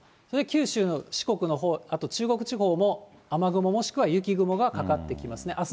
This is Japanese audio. それで九州の四国のほう、あと中国地方も雨雲、もしくは雪雲がかかってきますね。